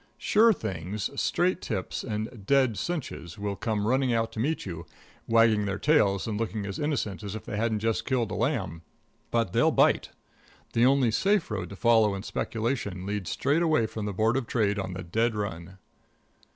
Sure Things, Straight Tips and Dead Cinches will come running out to meet you, wagging their tails and looking as innocent as if they hadn't just killed a lamb, but they'll bite. The only safe road to follow in speculation leads straight away from the Board of Trade on the dead run.